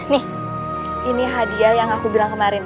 nih ini hadiah yang aku bilang kemarin